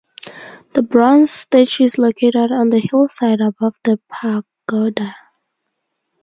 The bronze statue is located on the hillside above the pagoda.